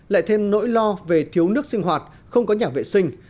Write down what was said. lại thêm nỗi lo về thiếu nước sinh hoạt không có nhà vệ sinh